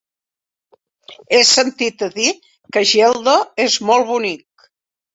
He sentit a dir que Geldo és molt bonic.